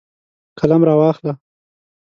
قلم راواخله.